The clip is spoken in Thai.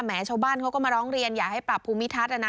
ชาวบ้านเขาก็มาร้องเรียนอยากให้ปรับภูมิทัศน์นะ